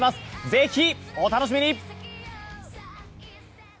ぜひ、お楽しみに！